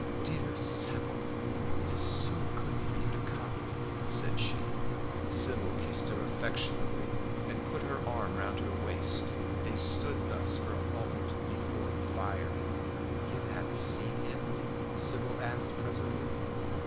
"Dear Sybil it is so good of you to come," said she. Sybil kissed her affectionately and put her arm round her waist. They stood thus for a moment before the fire. "You have seen him?" Sybil asked presently.